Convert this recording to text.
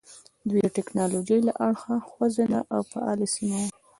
دوی د ټکنالوژۍ له اړخه خوځنده او فعاله سیمه وه.